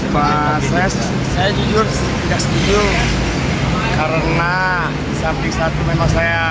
pak saya jujur tidak setuju karena disamping satu memang saya